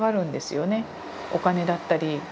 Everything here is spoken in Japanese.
お金だったり。